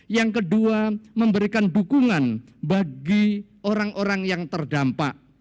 yang kedua memberikan dukungan bagi orang orang yang terdampak